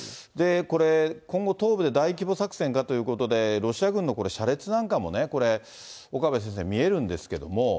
これ、今後東部で大規模作戦かということで、ロシア軍の車列なんかも、岡部先生、見えるんですけども。